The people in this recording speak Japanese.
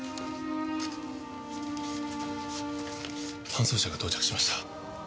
搬送車が到着しました。